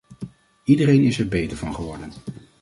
Iedereen is er beter van geworden.